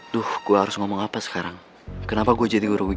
duh gue harus ngomong apa sekarang kenapa gue jadi guru begini